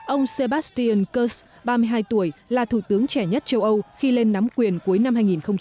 ông sebastian kurz ba mươi hai tuổi là thủ tướng trẻ nhất châu âu khi lên nắm quyền cuối năm hai nghìn một mươi chín